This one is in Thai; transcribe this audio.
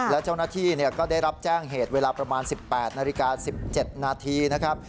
และเจ้าหน้าที่ก็ได้รับแจ้งเหตุเวลาประมาณ๑๘นาฬิกา๑๗นาทีนะครับ